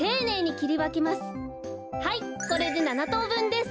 はいこれで７とうぶんです。